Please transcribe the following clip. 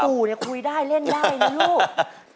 ปู่เนี่ยคุยได้เล่นได้นะลูก